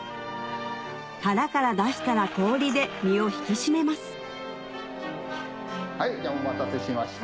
殻から出したら氷で身を引き締めますお待たせしました。